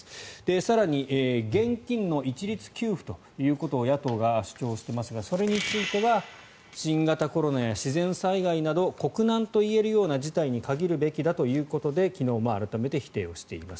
更に現金の一律給付ということを野党が主張していますがそれについては新型コロナや自然災害など国難といえるような事態に限るべきだということで昨日も改めて否定しています。